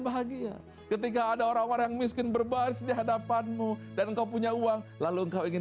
bahagia ketika ada orang orang miskin berbaris di hadapanmu dan engkau punya uang lalu engkau ingin